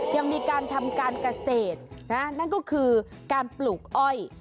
ยังมีการทำการเกษตรนะนั่นก็คือการปลูกอ้อย